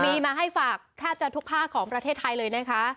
มีมาให้ฝากแทบจะทุกภาคของประเทศไทยเลยนะคะ